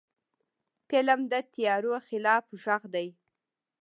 فلم د تیارو خلاف غږ دی